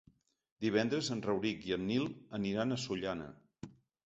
Divendres en Rauric i en Nil aniran a Sollana.